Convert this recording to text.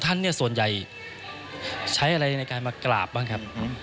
ท่านเนี่ยส่วนใหญ่ใช้อะไรในการมากราบบ้างครับ